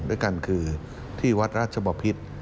ด้วยกันคือที่วัดราชบพิษ